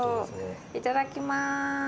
いただきます。